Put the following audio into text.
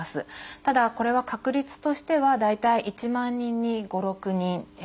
ただこれは確率としては大体１万人に５６人。